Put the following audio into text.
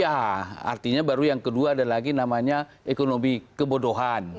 ya artinya baru yang kedua ada lagi namanya ekonomi kebodohan